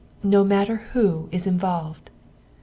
11 No matter who is involved."